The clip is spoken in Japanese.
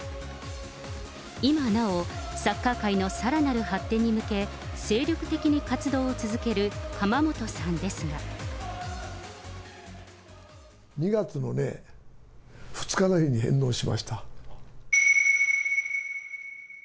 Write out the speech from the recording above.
今なお、サッカー界のさらなる発展に向け、精力的に活動を続ける２月のね、２日の日に返納しました。